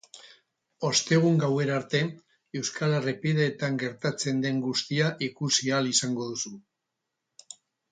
Ostegun gauera arte, euskal errepideetan gertatzen den guztia ikusi ahal izango duzu.